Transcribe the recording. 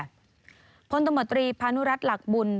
ผลตำรวจประวัติภัณฑ์ภูมิภัณฑ์รัฐหลักบุญ